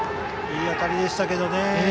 いい当たりでしたけどね。